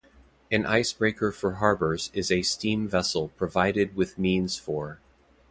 An icebreaker for harbors is a steam-vessel provided with means for.